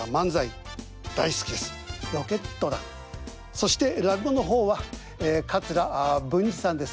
そして落語の方は桂文治さんです。